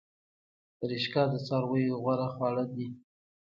رشقه د څارویو غوره خواړه دي